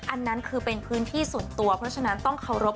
อันนั้นคือเป็นพื้นที่ส่วนตัวเพราะฉะนั้นต้องเคารพ